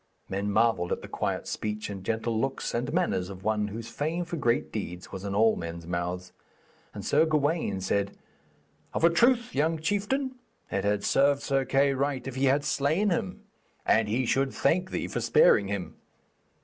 Men marvelled at the quiet speech and gentle looks and manners of one whose fame for great deeds was in all men's mouths; and Sir Gawaine said: 'Of a truth, young chieftain, it had served Sir Kay rightly if ye had slain him, and he should thank thee for sparing him.'